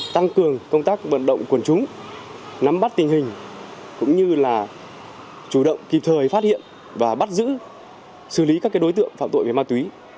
tăng cường công tác vận động quần chúng nắm bắt tình hình cũng như là chủ động kịp thời phát hiện và bắt giữ xử lý các đối tượng phạm tội về ma túy